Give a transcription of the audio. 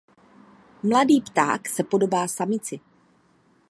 Mladý pták se podobá samici.